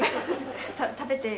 食べて。